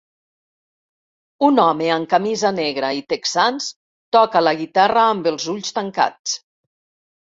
Un home amb camisa negra i texans toca la guitarra amb els ulls tancats.